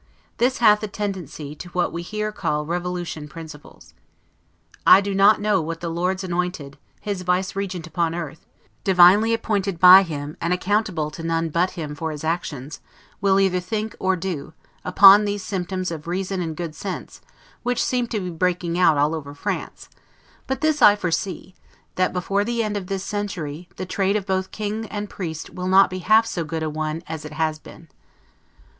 This hath a tendency to what we call here revolution principles. I do not know what the Lord's anointed, his vicegerent upon earth, divinely appointed by him, and accountable to none but him for his actions, will either think or do, upon these symptoms of reason and good sense, which seem to be breaking out all over France: but this I foresee, that, before the end of this century, the trade of both king and priest will not be half so good a one as it has been.